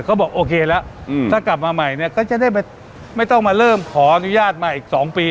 บอกโอเคแล้วถ้ากลับมาใหม่เนี่ยก็จะได้ไม่ต้องมาเริ่มขออนุญาตมาอีก๒ปี